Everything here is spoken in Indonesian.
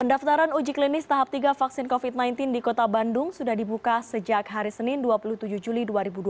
pendaftaran uji klinis tahap tiga vaksin covid sembilan belas di kota bandung sudah dibuka sejak hari senin dua puluh tujuh juli dua ribu dua puluh